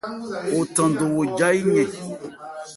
O than do wo jâ yɛn.